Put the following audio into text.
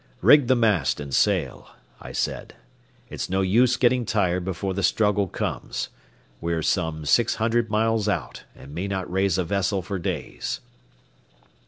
"Rig the mast and sail," I said. "It's no use getting tired before the struggle comes. We're some six hundred miles out, and may not raise a vessel for days."